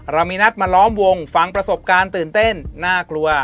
เรามีนัดมาล้อมวงฟังประสบการณ์ตื่นเต้นน่ากลัว